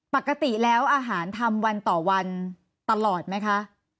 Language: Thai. ปกติแล้วอาหารทำวันต่อวันตลอดไหมคะ